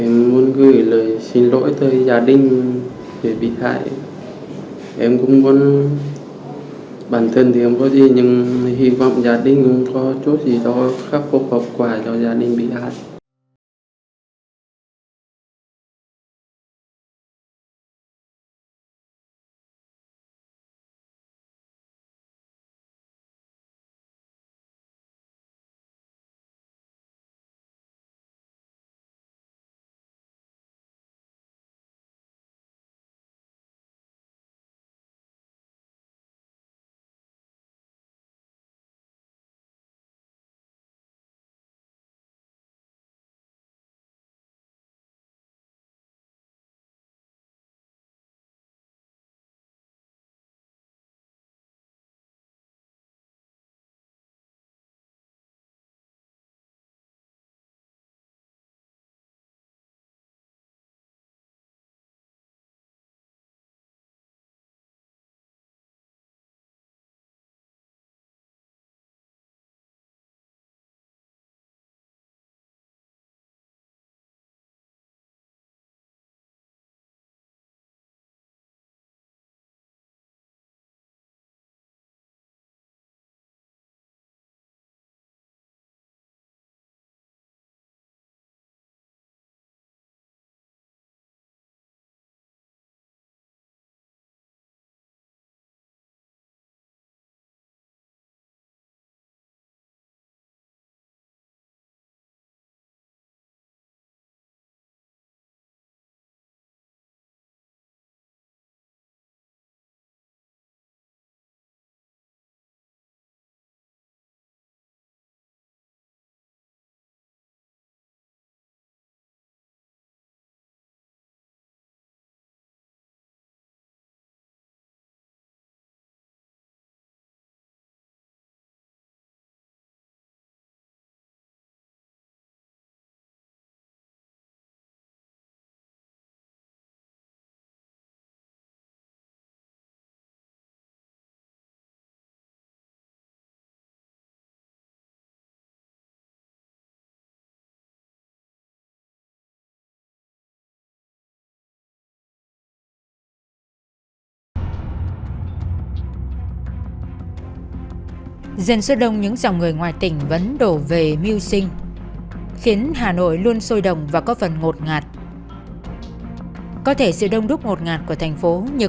nhưng với sự kiên trì chiến thuật hỏi cung sắc bén và với tài liệu đầy sức thuyết phục